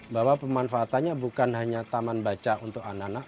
bahwa pemanfaatannya bukan hanya taman baca untuk anak anak